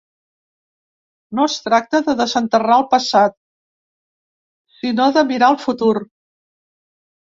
No es tracta de desenterrar el passat, sinó de mirar al futur